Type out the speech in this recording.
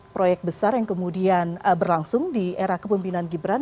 proyek besar yang kemudian berlangsung di era kepemimpinan gibran